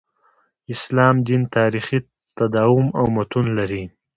اسلام دین تاریخي تداوم او متون لري.